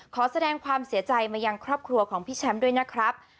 ขอแสดงความเสียใจมายังครอบครัวของพี่แชมป์ด้วยนะครับ